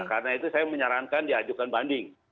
karena itu saya menyarankan diajukan banding